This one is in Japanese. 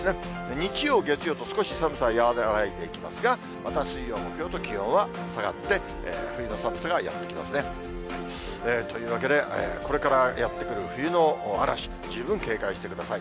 日曜、月曜と少し寒さ和らいでいきますが、また水曜、木曜と、気温は下がって、冬の寒さがやって来ますね。というわけで、これからやって来る冬の嵐、十分警戒してください。